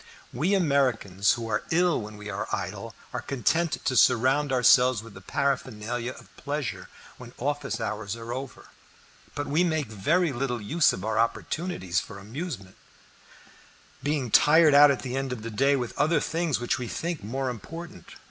We Americans, who are ill when we are idle, are content to surround ourselves with the paraphernalia of pleasure when office hours are over; but we make very little use of our opportunities for amusement, being tired out at the end of the day with other things which we think more important.